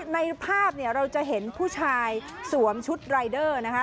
ในภาพเนี่ยเราจะเห็นผู้ชายสวมชุดรายเดอร์นะคะ